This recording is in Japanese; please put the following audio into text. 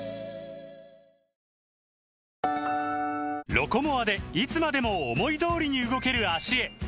「ロコモア」でいつまでも思い通りに動ける脚へ！